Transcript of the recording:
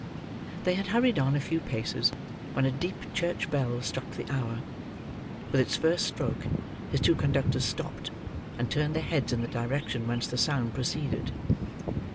They had hurried on a few paces, when a deep church bell struck the hour. With its first stroke, his two conductors stopped, and turned their heads in the direction whence the sound proceeded.